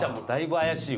怪しい。